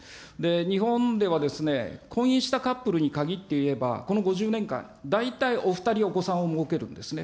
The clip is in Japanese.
日本では婚姻したカップルに限って言えば、この５０年間、大体お２人お子さんをもうけるんですね。